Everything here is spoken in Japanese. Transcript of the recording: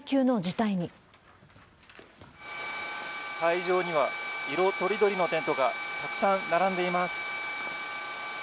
会場には色とりどりのテントがたくさん並んでいます。